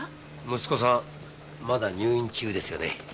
息子さんまだ入院中ですよね？